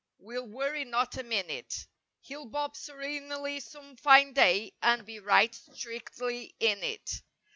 We'll worry not a minute. He'll bob serenely some fine day And be right strictly in it.